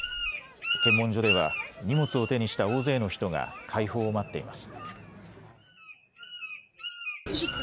検問所では荷物を手にした大勢の人が解放を待っています。